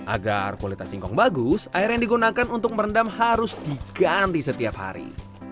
agar kualitas singkong bagus air yang digunakan untuk merendam harus diganti setiap hari